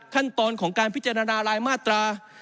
ขั้นตอนของการพิจารณารายมาตรา